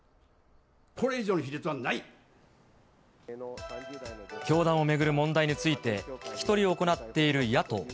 これ以上の卑劣教団を巡る問題について、聞き取りを行っている野党。